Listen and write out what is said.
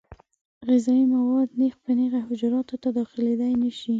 غذایي مواد نېغ په نېغه حجراتو ته داخلېدای نشي.